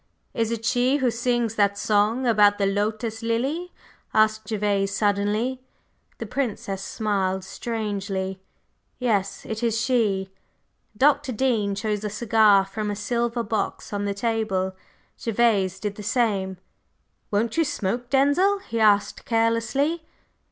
"Is it she who sings that song about the lotus lily?" asked Gervase, suddenly. The Princess smiled strangely. "Yes, it is she." Dr. Dean chose a cigar from a silver box on the table; Gervase did the same. "Won't you smoke, Denzil?" he asked carelessly.